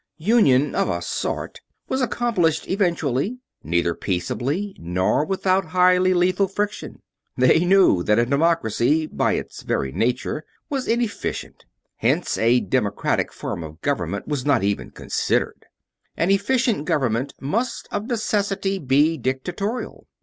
Union of a sort was accomplished eventually; neither peaceably nor without highly lethal friction. They knew that a democracy, by its very nature, was inefficient; hence a democratic form of government was not even considered. An efficient government must of necessity be dictatorial.